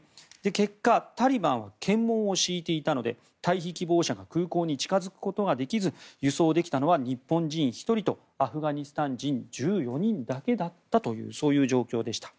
結果、タリバンは検問を敷いていたので退避希望者が空港に近付くことができず輸送できたのは日本人１人と、アフガニスタン人１４人だけだったという状況でした。